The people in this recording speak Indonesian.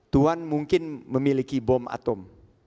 tuhan mungkin memiliki bom atom